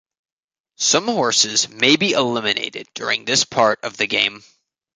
Some horses may be eliminated during this part of the game.